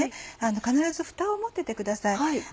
必ずフタを持っててください。